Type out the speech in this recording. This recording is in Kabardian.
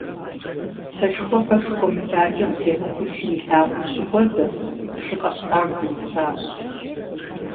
Сэшхуэпэр шхуэмылакӀэм темыхуэу шым и лъакъуэм щыхуэзэм, шы къэщтам зрисащ.